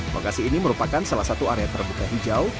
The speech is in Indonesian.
makasih ini merupakan salah satu area terbuka hijau